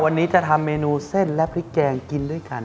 วันนี้จะทำเมนูเส้นและพริกแกงกินด้วยกัน